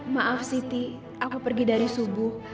maaf siti aku pergi dari subuh